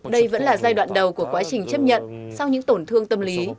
đây vẫn là giai đoạn đầu của quá trình chấp nhận sau những tổn thương tâm lý